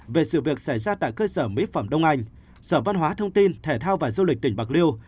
về sự việc xảy ra tại cơ sở mỹ phẩm đông anh sở văn hóa thông tin thể thao và du lịch tỉnh bạc liêu